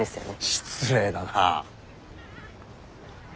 失礼だな！